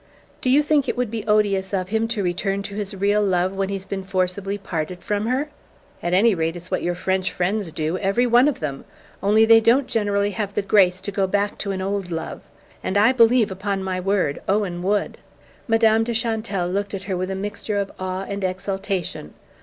"Do you think it would be odious of him to return to his real love when he'd been forcibly parted from her? At any rate, it's what your French friends do, every one of them! Only they don't generally have the grace to go back to an old love; and I believe, upon my word, Owen would!" Madame de Chantelle looked at her with a mixture of awe and exultation.